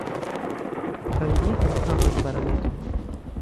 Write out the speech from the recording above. Kaj li kunhavas bareleton.